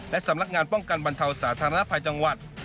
และสำนักงานป้องกันบรรเทาสาธารณภัยจังหวัด